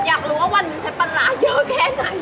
อยากรู้ว่าวันนึงใช้ประล๊าเยอะแก๊ไหน